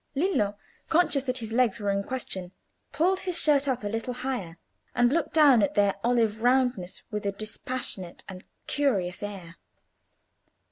Lillo, conscious that his legs were in question, pulled his shirt up a little higher, and looked down at their olive roundness with a dispassionate and curious air.